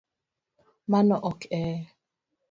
Mano ok e